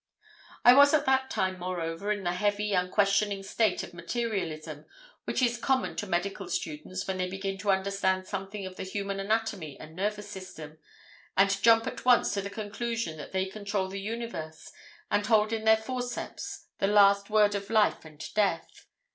"I was at that time, moreover, in the heavy, unquestioning state of materialism which is common to medical students when they begin to understand something of the human anatomy and nervous system, and jump at once to the conclusion that they control the universe and hold in their forceps the last word of life and death.